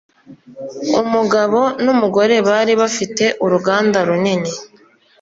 umugabo n'umugore bari bafite uruganda runini